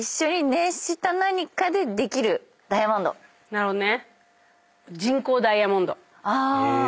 なるほどね。